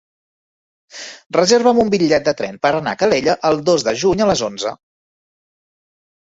Reserva'm un bitllet de tren per anar a Calella el dos de juny a les onze.